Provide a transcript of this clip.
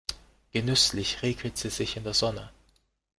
Genüsslich räkelt sie sich in der Sonne.